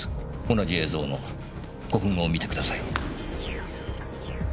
同じ映像の５分後を見て下さい。